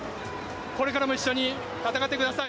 これからも一緒に戦ってください。